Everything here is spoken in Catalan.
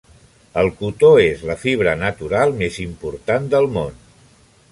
El cotó és la fibra natural més important del món.